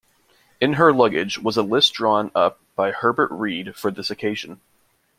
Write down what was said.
In her luggage was a list drawn up by Herbert Read for this occasion.